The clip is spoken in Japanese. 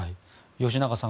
吉永さん